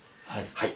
はい。